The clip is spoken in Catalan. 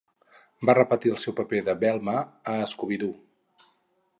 Va repetir el seu paper de Velma a Scooby-Doo!